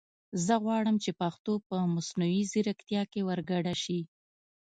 زه غواړم چې پښتو په مصنوعي زیرکتیا کې ور ګډه شي